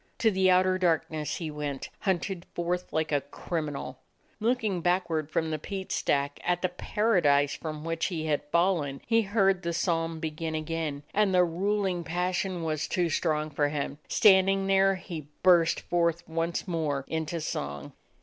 To the outer darkness he went, hunted forth like a criminal. Looking backward from the peat stack at the paradise from which he had fallen, he heard the psalm begin again, and the ruling passion was too strong for him. Standing there he burst forth once more into song.